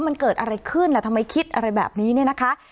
มันเกิดอะไรขึ้นล่ะทำไมคิดอะไรแบบนี้เนี่ยนะคะ